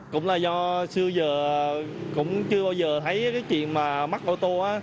cũng là do xưa giờ cũng chưa bao giờ thấy cái chuyện mà mắc ô tô á